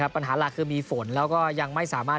ปัญหาหลักคือมีฝนแล้วก็ยังไม่สามารถ